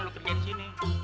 lu kerja di sini